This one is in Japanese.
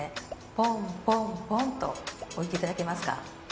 ポンポンポンと置いていただけますか。